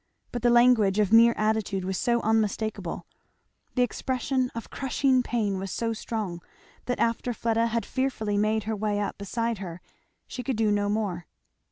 But the language of mere attitude was so unmistakable, the expression of crushing pain was so strong, that after Fleda had fearfully made her way up beside her she could do no more.